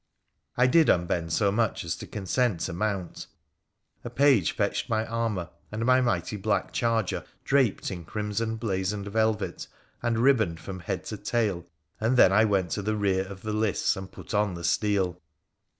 I did unbend so much as to consent to mount. A page fetched my armour and my mighty black charger draped in crimson blazoned velvet and ribboned from head to tail, and then I went to the rear of the lists and put on the steel.